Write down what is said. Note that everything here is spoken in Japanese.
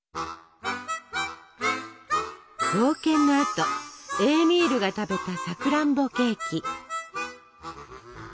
冒険のあとエーミールが食べたさくらんぼケーキ。